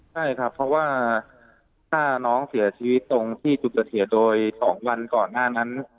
ใช่ครับเพราะว่าถ้าน้องเสียชีวิตตรงที่จุดเกิดเหตุโดย๒วันก่อนหน้านั้น